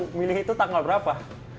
memilih itu tanggal berapa